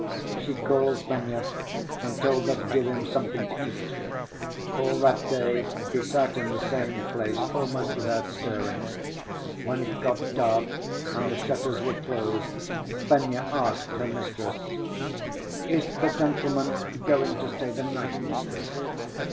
She called Fenya and told her to give him something to eat. All that day he sat in the same place, almost without stirring. When it got dark and the shutters were closed, Fenya asked her mistress: "Is the gentleman going to stay the night, mistress?"